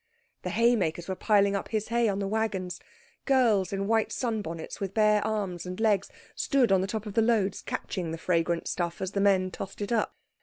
The haymakers were piling up his hay on the waggons. Girls in white sun bonnets, with bare arms and legs, stood on the top of the loads catching the fragrant stuff as the men tossed it up.